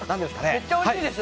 めっちゃおいしいです。